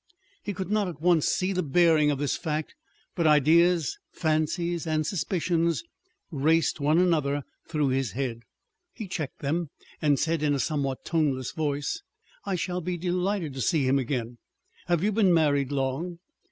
He could not at once see the bearings of this fact, but ideas, fancies and suspicions raced one another through his head. He checked them and said in a somewhat toneless voice: "I shall be delighted to see him again. Have you been married long?"